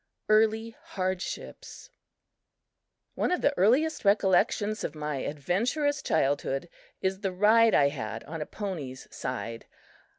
Early Hardships ONE of the earliest recollections of my adventurous childhood is the ride I had on a pony's side.